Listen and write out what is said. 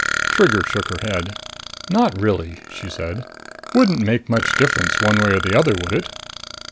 Trigger shook her head. "Not really," she said. "Wouldn't make much difference one way or the other, would it?"